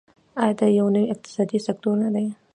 آیا دا یو نوی اقتصادي سکتور نه دی؟